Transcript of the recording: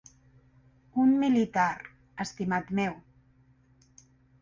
Un militar, estimat meu.